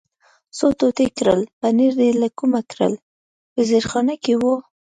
څو ټوټې کړل، پنیر دې له کومه کړل؟ په زیرخانه کې و.